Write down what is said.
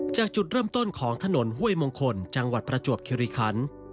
จากจุดเริ่มต้นของถนนห้วยมงคลจังหวัดประจวบคิริคัน